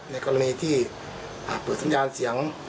ในกรณีที่เปิดสัญญาณเสียง